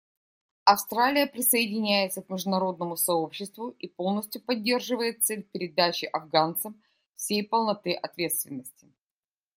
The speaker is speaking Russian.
Австралия присоединяется к международному сообществу и полностью поддерживает цель передачи афганцам всей полноты ответственности.